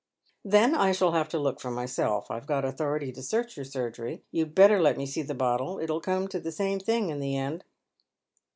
" Then I shall have to look for myself. I've got authority to search your surgery. You'd bettor let me see tlie bottle. It '11 come to the same thing in the end."